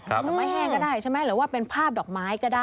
ดอกไม้แห้งก็ได้ใช่ไหมหรือว่าเป็นภาพดอกไม้ก็ได้